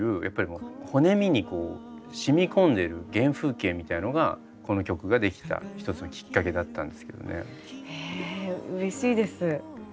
やっぱり骨身にこうしみ込んでる原風景みたいのがこの曲ができた一つのきっかけだったんですけどね。へうれしいです。